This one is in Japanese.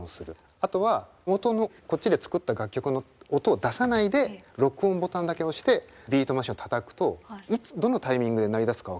あとは元のこっちで作った楽曲の音を出さないで録音ボタンだけ押してビートマシンをたたくといつどのタイミングで鳴り出すか分かんないわけじゃないですか。